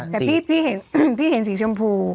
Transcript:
แต่พี่เห็นสีชมพู